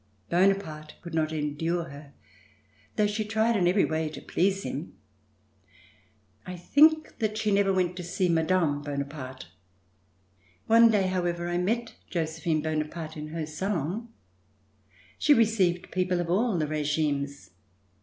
Bonaparte could not endure her, although she tried in every way to please him. I think that she never went to see Mme. Bonaparte. One day, however, I met Josephine Bonaparte in her salon. She received people of all the regimes.